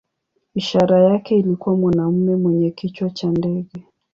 Ishara yake ilikuwa mwanamume mwenye kichwa cha ndege.